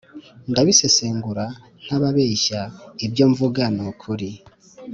Ndabisesengura ntababeshya ibyo mvuga nukuri